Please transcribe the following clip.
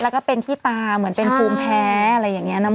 แล้วก็เป็นที่ตาเหมือนเป็นภูมิแพ้อะไรอย่างนี้นะ